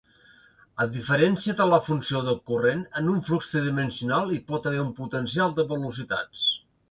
A diferència de la funció de corrent, en un flux tridimensional hi pot haver un potencial de velocitats.